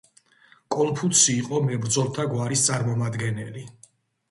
კონფუცი იყო მებრძოლთა გვარის წარმომადგენელი.